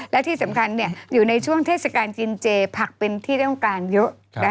และที่สำคัญอยู่ในช่วงเทศกาลกินเจผักเป็นที่ต้องการเยอะ